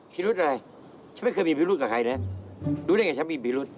พิรุธอะไรฉันไม่เคยมีพิรุธกับใครนะรู้ได้ไงฉันมีพิรุษ